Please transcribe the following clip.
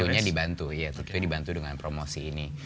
tentunya dibantu iya tentunya dibantu dengan promosi ini